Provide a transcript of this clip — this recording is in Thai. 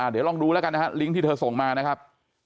เดี๋ยวลองดูแล้วกันนะฮะลิงก์ที่เธอส่งมานะครับ